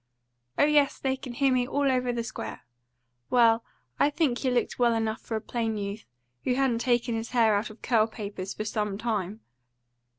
"Oh yes, they can hear me all over the square. Well, I think he looked well enough for a plain youth, who hadn't taken his hair out of curl papers for some time."